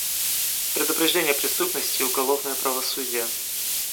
Предупреждение преступности и уголовное правосудие.